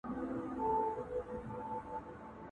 نن له هغې وني ږغونه د مستۍ نه راځي!.